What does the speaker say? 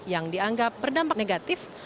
yang dianggap berdampak negatif